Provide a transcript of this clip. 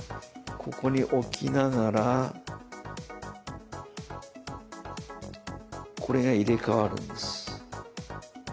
ここに置きながらこれが入れ代わるんです。